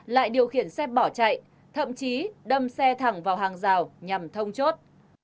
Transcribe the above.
lại điều khiển xe bỏ chạy thậm chí đâm xe thẳng vào hàng rào nhằm thông chốt